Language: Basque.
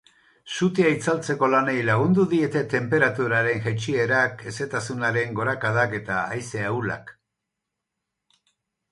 Sutea itzaltzeko lanei lagundu diete tenperaturaren jaitsierak, hezetasunaren gorakadak eta haize ahulak.